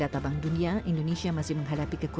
kita harus profesionalisasi pekerjaan itu